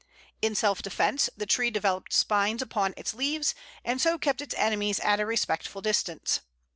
In self defence the tree developed spines upon its leaves, and so kept its enemies at a respectful distance.